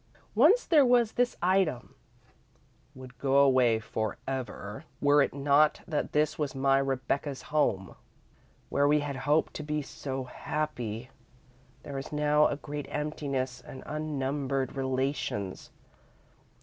Once there was this item: "Would go away for ever were it not that this was my Rebecca's home. Where we had hoped to be so happy, there is now a great emptiness and unnumbered Relations.